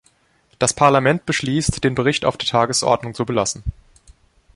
Das Parlament beschließt, den Bericht auf der Tagesordnung zu belassen.